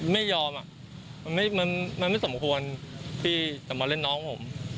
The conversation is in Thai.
ไม่ยอมมันไม่สมควรที่จะมาเล่นน้องผม